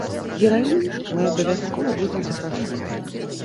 Гераінь мы абавязкова будзем запрашаць.